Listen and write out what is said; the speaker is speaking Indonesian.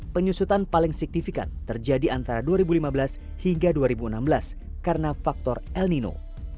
penyusutan paling signifikan terjadi antara dua ribu lima belas hingga dua ribu enam belas karena faktor el nino